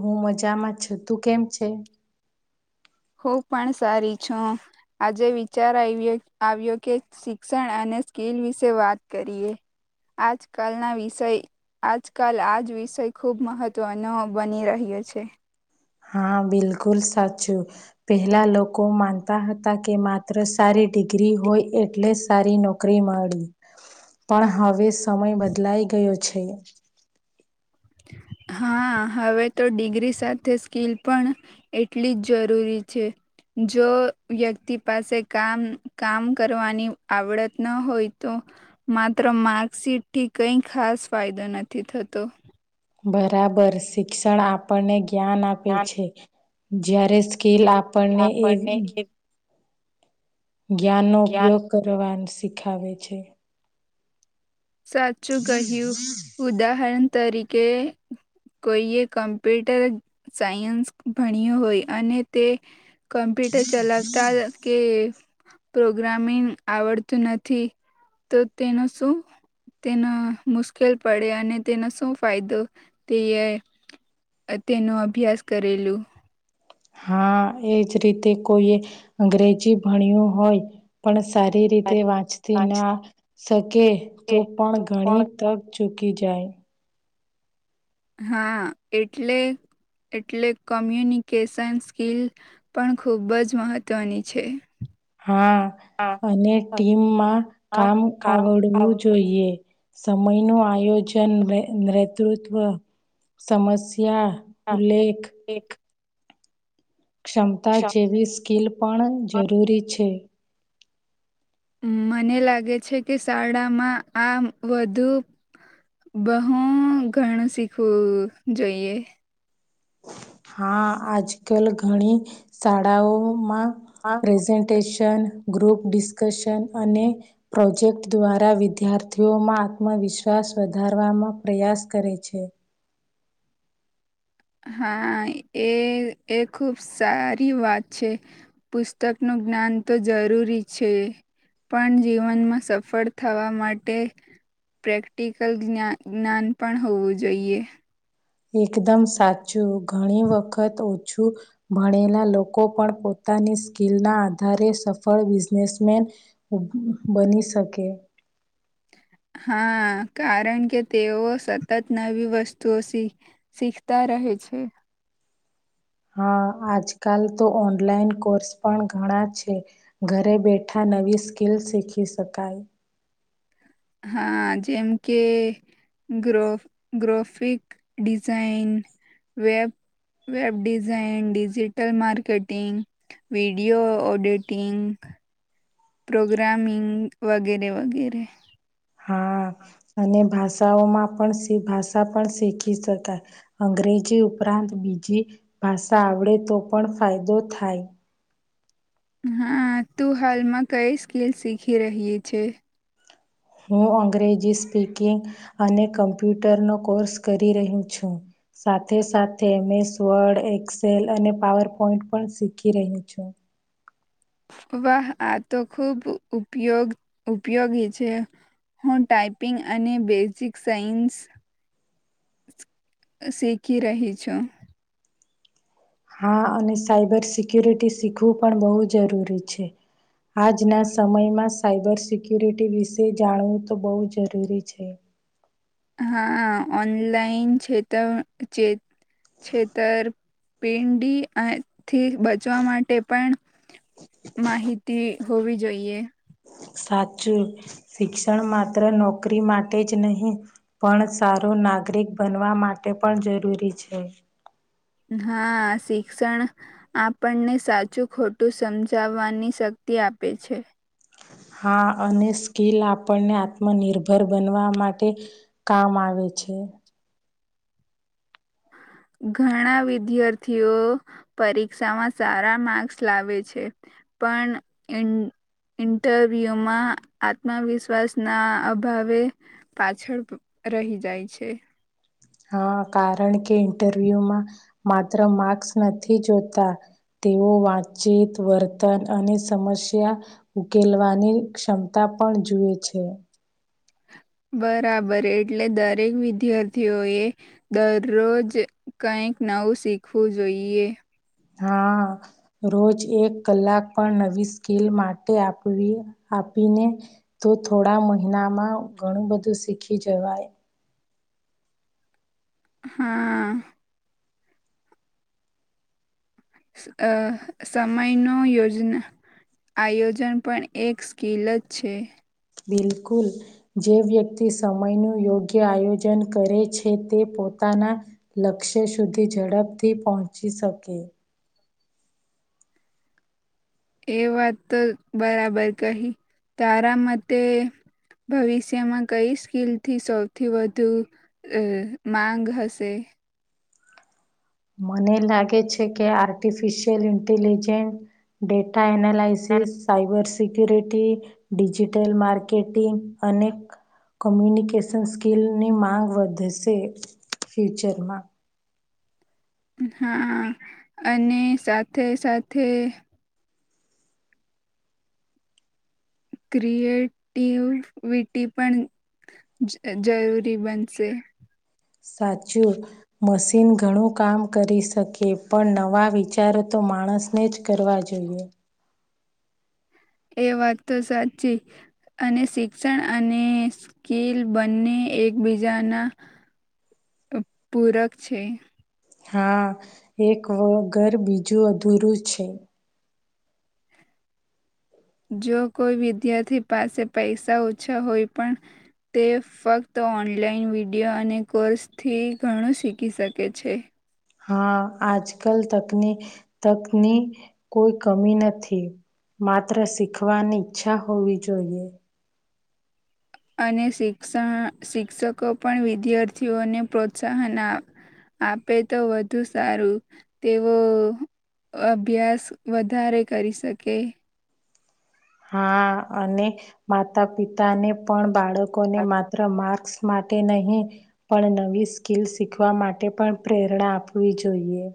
હું મજામાં છુ તું કેમ છે હું પણ સારી છું આજે વિચાર આવ્યો આવ્યો કે શિક્ષણ અને સ્કીલ વિશે વાત કરીએ આજકાલના વિષય આજકાલ આ જ વિષય ખૂબ મહત્ત્વનો બની રહ્યો છે હા બિલકુલ સાચું પહેલા લોકો માનતા હતા કે માત્ર સારી ડિગ્રી હોય એટલે સારી નોક નોકરી મળી પણ હવે સમય બદલાઈ ગયો છે હા હવે તો ડિગ્રી સાથે સ્કીલ પણ એટલી જ જરૂરી છે જો વ્યક્તિ પાસે કામ કામ કરવાની આવડત ન હોય તો માત્ર માર્કશીટ થી કઈ ખાસ ફાયદો નથી થતો બરાબર શિક્ષણ આપણને જ્ઞાન આપે છે જ્યારે સ્કીલ પને એવી જ્ઞાનનો ઉપયોગ કરવાનું શીખાવે છે સાચું કહ્યું ઉદાહરણ તરીકે કોઈએ કોમ્પ્યુટર સાયન્સ ભણ્યો હોય અને તે કમ્પ્યુટર ચલાવતા કે પ્રોગ્રામિંગ આવડતું નથી તો તેનું શું તેના મુશ્કેલ પડે અને તેનો શું ફાયદો તે તેનો અભ્યાસ કરેલું હા એજ રીતે કોઈએ અંગ્રેજી ભણ્યું હોય પણ સારી રીતે વાંચતી ના શકે તો પણ ઘણી તક ચૂકી જાય હા એટલે એટલે કોમ્યુનિકેશન સ્કીલ પણ ખૂબ જ મહત્વની છે હા અને ટીમમાં કામ આવડવું જોઈએ સમય નું આયોજન નેતૃ નેતૃત્વ સમસ્યા ઉલ્લેખ એક ક્ષમતા જેવી સ્કિલ પણ જરૂરી છે મને લાગે છે કે શાળામાં આ વધુ બહું ઘણું શીખવું જોઈએ હા આજ કાલ ઘણી શાળાઓમાં હા પ્રેઝન્ટેશન ગ્રુપ ડિસ્કશન અને પ્રોજેક્ટ દ્વારા વિદ્યાર્થીઓમાં આત્મવિશ્વાસ વધારવામાં પ્રયાસ કરે છે હા એ એ ખુબ સારી વાત છે પુસ્તકનું જ્ઞાન તો જરૂરી છે પણ જીવનમાં સફળ થવા માટે પ્રેક્ટિકલ જ્ઞાન જ્ઞાન પણ હોવું જોઈએ એકદમ સાચું ઘણી વખત ઓછું ભણેલા લોકો પણ પોતાની સ્કીલના આધારે સફળ બિઝનેસમેન. બની શકે. હા કારણ કે તેઓ સતત નવી વસ્તુઓ શીખ શીખતા રહે છે. હા આજકાલ તો ઓનલાઈન કોર્સ પણ ઘણા છે. ઘરે બેઠા નવી સ્કીલ શીખી શકાય. હા જેમ કે ગ્રો graphic design, web web design, digital marketing. Video editing. Programming વગેરે વગેરે. હા અને ભાષાઓમાં પણ શી ભાષા પણ શીખી શકાય. અંગ્રેજી ઉપરાંત બીજી ભાષા આવડે તો પણ ફાયદો થાય. હા તું હાલમાં કઈ સ્કીલ શીખી રહી છે? હું અંગ્રેજી સ્પીકિંગ અને કમ્પ્યુટરનો કોર્સ કરી રહી છું. સાથે સાથે મેં સ્વડ, એક્સેલ અને પાવર પોઈન્ટ પણ શીખી રહ્યું છું. વાહ! આ તો ખૂબ ઉપયોગ ઉપયોગી છે. હું ટાઈપિંગ અને બેઝિક સાયન્સ. શીખી રહી છું. હા અને સાયબર સિક્યુરિટી શીખવું પણ બહુ જરૂરી છે. આજના સમયમાં સાયબર સિક્યુરિટી વિશે જાણવું તો બહુ જરૂરી છે. હા ઓનલાઈન છેતર ચેત છેતરપિંડી અ થી બચવા માટે પણ માહિતી હોવી જોઈએ. સાચું. શિક્ષણ માત્ર નોકરી માટે જ નહી. પણ સારું નાગરિક બનવા માટે પણ જરૂરી છે. હા શિક્ષણ આપણને સાચું ખોટું સમજાવવાની શક્તિ આપે છે. હા અને સ્કિલ આપણને આત્મનિર્ભર બનવા માટે કામ આવે છે. ઘણા વિદ્યાર્થીઓ પરીક્ષામાં સારા માર્ક્સ લાવે છે. પણ ઈન ઇન્ટરવ્યુમાં આત્મવિશ્વાસ ના અભાવે પાછળ રહી જાય છે. હા કારણ કે ઇન્ટરવ્યુમાં માત્ર માર્ક્સ નથી જોતા. તેઓ વાતચીત, વર્તન અને સમસ્યા ઉકેલવાની ક્ષમતા પણ જુએ છે. બરાબર એટલે દરેક વિદ્યાર્થીઓ એ દરરોજ કંઈક નવું શીખવું જોઈએ. હા રોજ એક કલાક પણ નવી સ્કીલ માટે આપવી આપીને તો થોડા મહિનામાં ઘણું બધું શીખી જવાય. હા અ સમયનો યોજના આયોજન પણ એક સ્કીલ જ છે. બિલકુલ. જે વ્યક્તિ સમયનું યોગ્ય આયોજન કરે છે તે પોતાના લક્ષ્ય સુધી ઝડપથી પહોંચી શકે. એ વાત તો બરાબર કહી. તારા મતે ભવિષ્યમાં કઈ સ્કીલથી સૌથી વધુ અ માંગ હશે મને લાગે છે કે artificial intelligent data analysis cybers security digital marketing અનેક કોમ્યુનિકેશન સ્કીિલની માંગ વધશે ફ્યુચરમાં હા અને સાથે સાથે ક્રિએટિવ વિટી પણ જ જરૂરી બનશે સાચુ મશીન ઘણું કામ કરી શકી પણ નવા વિચારો તો માણસને જ કરવા જોઈએ એ વાત તો સાચી અને શિક્ષણ અને સ્કીલ બંને એકબીજાના પૂરક છે હા એક વ ઘર બીજું અધૂરું છે જો કોઈ વિદ્યાર્થી પાસે પૈસા ઓછા હોય પણ તે ફક્ત ઓનલાઈન વિડીયો અને કોર્સ થી ઘણું શીખી શકે છે હા આજ કલ તકની તકની કોઈ કમી નથી માત્ર શીખવાની ઈચ્છા હોવી જોઈએ અને શિક્ષણ શિક્ષકો પણ વિદ્યાર્થીઓને પ્રોત્સાહન આ આપે તો વધુ સારું તેવું અભ્યાસ વધારે કરી શકે હા અને માતા પિતાને પણ બાળકો ને માત્ર માર્ક્સ માટે નહીં પણ નવી સ્કિલ શીખવા માટે પણ પ્રેરણા આપવી જોઈએ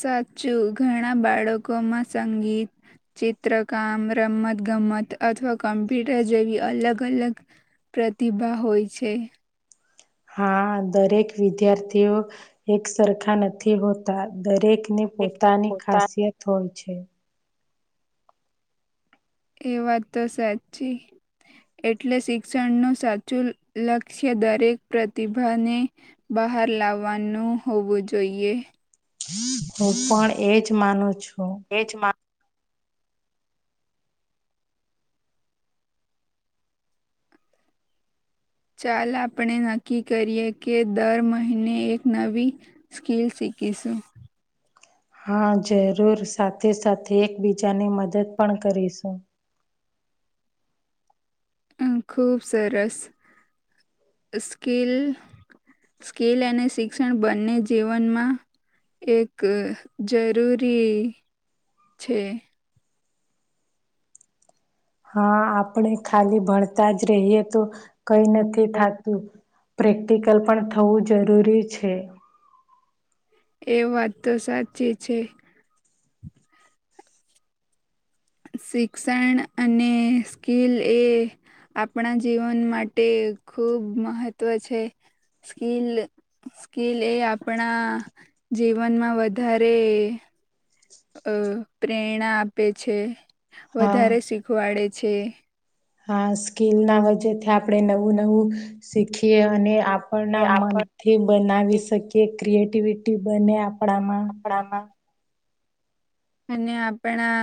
સાચું ઘણા બાળકોમાં સંગીત ચિત્રકામ રમત ગમત અથવા કોમ્પ્યુટર જેવી અલગ અલગ પ્રતિભા હોય છે. હા દરેક વિદ્યાર્થીઓ એક સરખા નથી હોતા દરેકને પોતાની ખાસિયત હોય છે એ વાત તો સાચી એટલે શિક્ષણનું સાચું લક્ષ્ય દરેક પ્રતિભાને બહાર લાવવાનું હોવું જોઈએ હું પણ એજ માનું છું એજમાં ચાલ આપણે નક્કી કરીએ કે દર મહિને એક નવી સ્કીલ શીખીસું હા જરૂર સાથે સાથે એકબીજાને મદદ પણ કરીશું અ ખૂબ સરસ સ્કીિલ સ્કીલ અને શિક્ષણ બંને જીવનમાં એક જરૂરી છે હા આપણે ખાલી ભણતા જ રહીએ તો કઈ નથી થતું પ્રેક્ટિકલ પણ થવું જરૂરી છે એ વાત તો સાચી છે શિક્ષણ અને સ્કિલ એ આપણા જીવન માટે ખુબ મહત્વ છે સ્કીિલ સ્કીિલ એ આપણા જીવનમાં વધારે અ પ્રેરણા આપે છે વધારે હા. શીખવાડે છે હા સ્કીિલના [unintelligible] આપણે નવું નવું શીખીએ અને અપ આપણા મનથી બનાવી શકીએ ક્રિએટિવિટી બને આપણામાં. આપણામાં. અને આપણા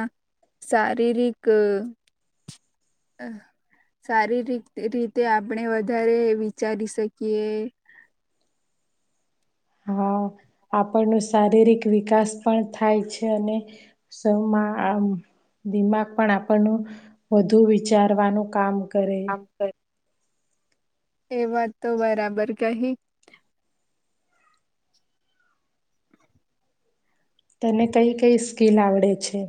શારીરિક સારી રી રીતે આપણે વધારે વિચારી શકીએ. હા આપણ ન શારીરિક વિકાસ પણ થાય છે અને [unintelligible] આમ દિમાગ પણ આપણનું વધુ વિચારવાનું કામ કરે. [unintelligible] એ વાત તો બરાબર કહી. તને કઈ કઈ સ્કીિલ આવડે છે.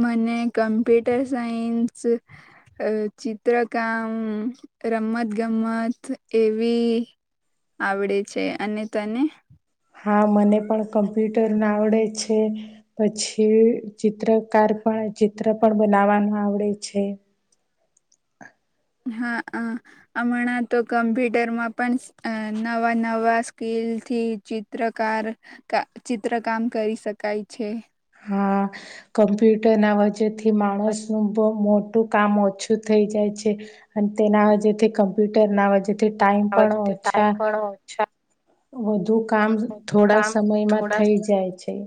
મને કમ્પ્યુટર સાયન્સ અ ચિત્રકામ રમત ગમત એવી આવડે છે અને તને. હા મને પણ કમ્પ્યુટરને આવડે છે. પછી ચિત્રકાર પણ ચિત્ર પણ બનાવાનું આવડે છે. હા હ હમણાં તો કમ્પ્યુટરમાં પણ અ નવા નવા સ્કીલથી ચિત્રકાર કા ચિત્ર કામ કરી શકાય છે. હા કમ્પ્યુટરના [unintelligible] માણસનું બો મો મોટું કામ ઓછું થઈ જાય છે અને તેના વે થી કમ્પ્યુટર ના વે તે ટાઈમ પણ ઓછા વધુ કામ થોડા સમયમાં થઈ જાય છે.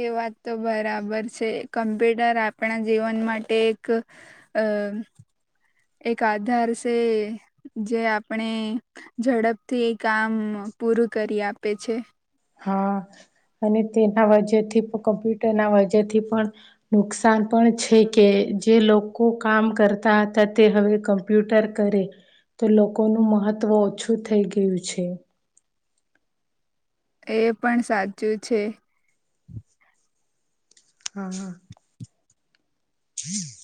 એ વાત તો બરાબર છે કમ્પ્યુટર આપણા જીવન માટે એક આ એક આધાર છે. જે આપણે ઝડપથી એ કામ પૂરું કરી આપે છે. હા અને તેના વજેથી કમ્પ્યુટર ના વજેથી પણ નુકસાન પણ છે કે જે લોકો કામ કરતા હતા તે હવે કામ કમ્પ્યુટર કરે તો લોકોનું મહત્વ ઓછું થઈ ગયું છે. એ પણ સાચું છે. હા હા. [inaudible]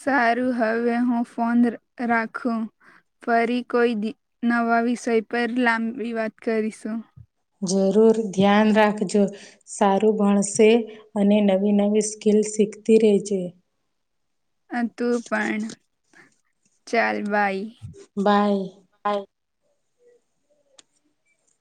સારું હવે હું ફોન રાખું. ફરી કોઈ નવા વિષય પર લાંબી વાત કરીશું. જરૂર ધ્યાન રાખજો. સારું ભણશે અને નવી નવી સ્કિલ શીખતી રહેજે. હા તું પણ ચાલ બાઈ. બાય. [unintelligible]